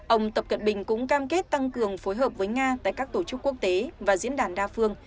ông tập cận bình cũng cam kết tăng cường phối hợp với nga tại các tổ chức quốc tế và diễn đàn đa phương